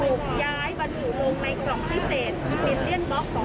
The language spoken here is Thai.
เมื่อวันติดตามของกันโดนช่วยกันนะคะสำหรับสำนักงานของพิษฐานต่าง